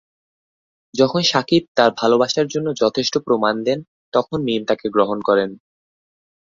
যখন শাকিব তার ভালবাসার জন্য যথেষ্ট প্রমাণ দেন, তখন মীম তাকে গ্রহণ করেন।